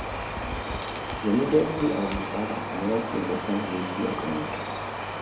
Zemědělství ale zůstává dominantním rysem místní ekonomiky.